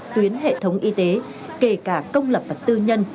tuyến hệ thống y tế kể cả công lập và tư nhân